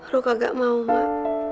rok kagak mau mbah